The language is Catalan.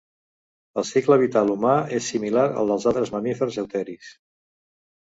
El cicle vital humà és similar al dels altres mamífers euteris.